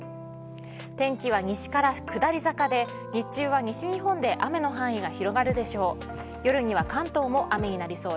天気は西から下り坂で日中は西日本で雨の範囲が広がるでしょう。